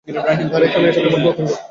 আর এখন এটা তোমার নতুন ঘর।